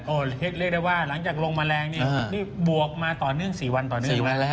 เรียกได้ว่าหลังจากลงแมลงนี่บวกมาต่อเนื่อง๔วันต่อเนื่อง